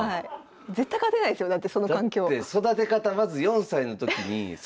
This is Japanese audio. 絶対勝てないですよだってその環境。